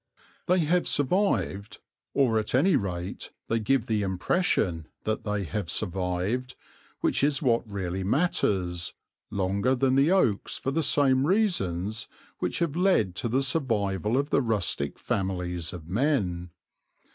They have survived, or at any rate they give the impression that they have survived, which is what really matters, longer than the oaks for the same reasons which have led to the survival of the rustic families of men.